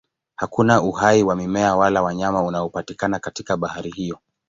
Hakuna uhai wa mimea wala wanyama unaopatikana katika bahari hiyo.